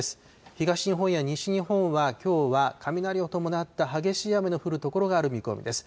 東日本や西日本はきょうは雷を伴った激しい雨の降る所がある見込みです。